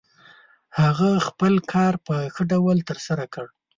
هغه خپل کار په ښه ډول ترسره کړ.